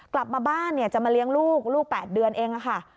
กลับมาบ้านเนี่ยจะมาเลี้ยงลูกลูก๘เดือนเองค่ะ